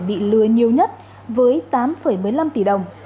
bị lừa nhiều nhất với tám một mươi năm tỷ đồng